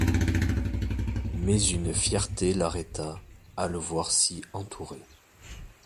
Mais une fierté l'arrêta, à le voir si entouré.